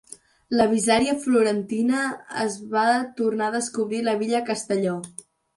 La Bizzaria florentina es va tornar a descobrir a Villa Castello.